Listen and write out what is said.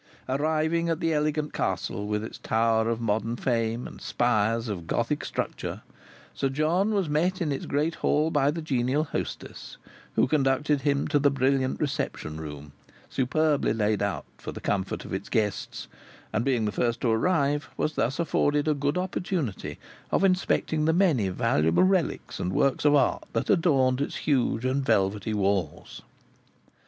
Arriving at the elegant castle, with its tower of modern fame, and spires of Gothic structure, Sir John was met in its great hall by the genial hostess, who conducted him to the brilliant reception room, superbly laid out for the comfort of its guests; and being the first to arrive, was thus afforded a good opportunity of inspecting the many valuable relics and works of art that adorned its huge and velvety walls.